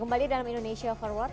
kembali dalam indonesia forward